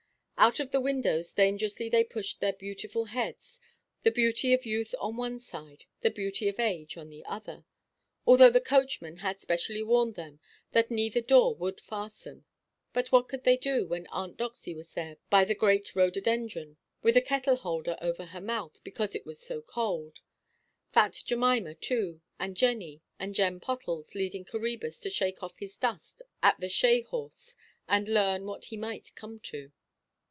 Out of the windows dangerously they pushed their beautiful heads—the beauty of youth on one side, the beauty of age on the other—although the coachman had specially warned them that neither door would fasten. But what could they do, when Aunt Doxy was there by the great rhododendron, with a kettle–holder over her mouth because it was so cold; fat Jemima too, and Jenny, and Jem Pottles leading Coræbus to shake off his dust at the shay–horse, and learn what he might come to?